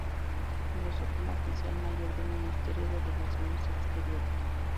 Ingresó como oficial mayor del Ministerio de Relaciones Exteriores.